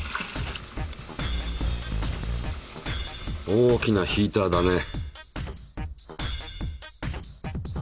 大きなヒーターだね。